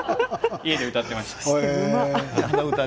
家で歌っていました。